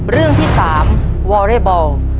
เรื่องที่สามวอเรบอล